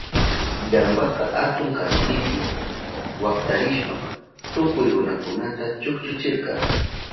Ilampaka atun kaspipi waktarishpan tukuy runakunata chukchuchirka.